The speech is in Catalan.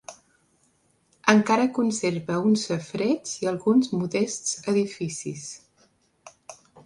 Encara conserva un safareig i alguns modests edificis.